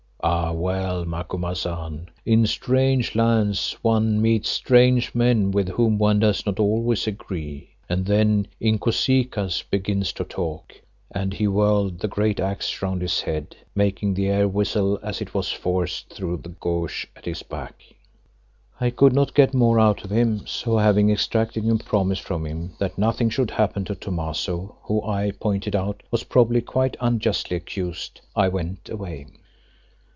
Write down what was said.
"Ah! well, Macumazahn, in strange lands one meets strange men with whom one does not always agree, and then Inkosikaas begins to talk," and he whirled the great axe round his head, making the air whistle as it was forced through the gouge at its back. I could get no more out of him, so having extracted a promise from him that nothing should happen to Thomaso who, I pointed out, was probably quite unjustly accused, I went away.